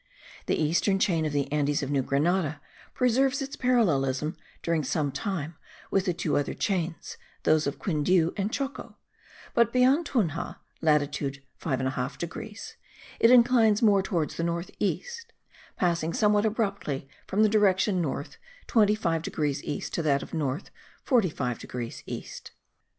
The eastern chain of the Andes of New Grenada* preserves its parallelism during some time with the two other chains, those of Quindiu and Choco; but beyond Tunja (latitude 5 1/2 degrees) it inclines more towards the north east, passing somewhat abruptly from the direction north 25 degrees east to that of north 45 degrees east.